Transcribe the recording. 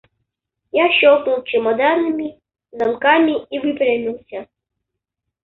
Я щелкнул чемоданными замками и выпрямился.